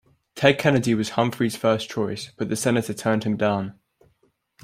Ted Kennedy was Humphrey's first choice, but the senator turned him down.